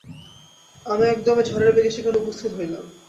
আমি একদমে ঝড়ের বেগে সেখানে উপস্থিত হইলাম।